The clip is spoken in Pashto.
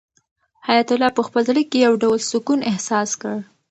حیات الله په خپل زړه کې یو ډول سکون احساس کړ.